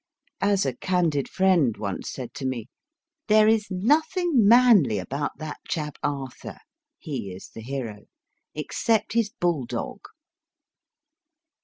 As a candid friend once said to me, There is nothing manly about that chap, Arthur he is the hero except his bull dog